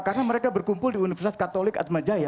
karena mereka berkumpul di universitas katolik atmajaya